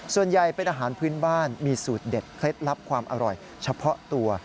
ส่วนใหญ่เป็นอาหารพื้นบ้านมีสูตรเด็ดเคล็ดลับความอร่อยเฉพาะตัว